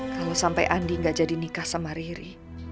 kalau sampai andi gak jadi nikah sama riri